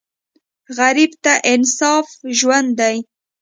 غریب ته انصاف ژوند دی